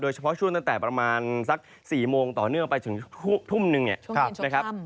เฉพาะช่วงตั้งแต่ประมาณสัก๔โมงต่อเนื่องไปถึงทุ่มนึงเนี่ยนะครับ